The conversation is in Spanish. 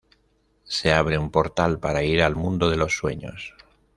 Se abre un portal para ir al Mundo de los Sueños.